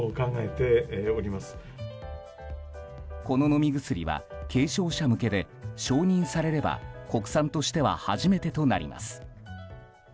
この飲み薬は軽症者向けで承認されれば国産としては初めてとなります。